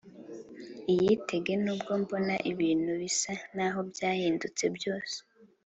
iyitege nubwo mbona ibintu bisa n` aho byahindutse byose